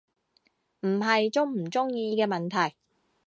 唔係鍾唔鍾意嘅問題